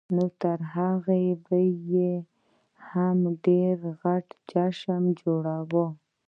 نوهغې کې به یې هم ډېر غټ جشن جوړاوه.